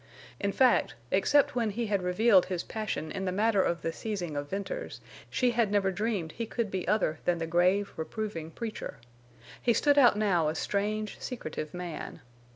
In fact, except when he had revealed his passion in the matter of the seizing of Venters, she had never dreamed he could be other than the grave, reproving preacher. He stood out now a strange, secretive man.